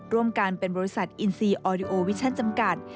ร่วมกันเป็นบริษัทอินซีออดิโอวิชั่นจำกัด